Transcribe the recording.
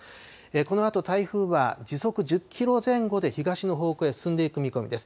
このあと台風は、時速１０キロ前後で東の方向へ進んでいく見込みです。